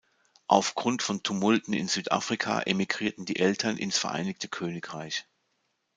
Aufgrund von Tumulten in Südafrika emigrierten die Eltern ins Vereinigte Königreich.